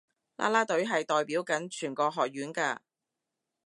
啦啦隊係代表緊全個學院㗎